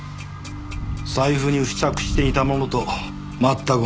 財布に付着していたものと全く同じものだ。